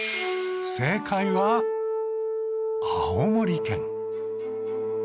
正解は青森県。